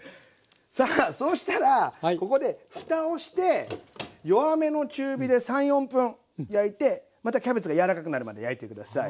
さあそうしたらここでふたをして弱めの中火で３４分焼いてまたキャベツが柔らかくなるまで焼いて下さい。